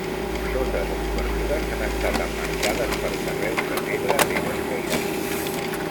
Totes les obertures han estat emmarcades per carreus de pedra ben escairats.